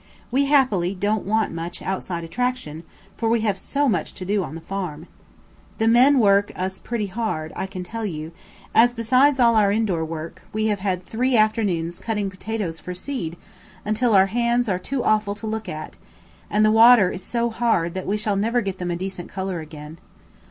We happily don't want much outside attraction, for we have so much to do on the farm. The men work us pretty hard, I can tell you; as, besides all our indoor work, we have had three afternoons cutting potatoes for seed, until our hands are too awful to look at, and the water is so hard that we never shall get them a decent colour again.